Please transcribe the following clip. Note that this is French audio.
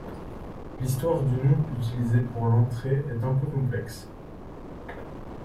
L’histoire du nom utilisé pour l’entrée est un peu complexe.